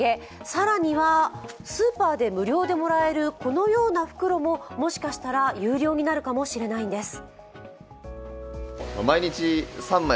更にはスーパーで無料でもらえるこのような袋ももしかしたら有料になるかもしれないんです。